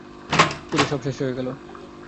পুড়ে সব শেষ হয়ে গেল।